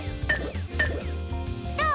どう？